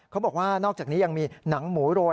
เขาบอกว่านอกจากนี้ยังมีหนังหมูโรย